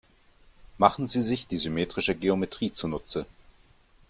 Machen Sie sich die symmetrische Geometrie zunutze.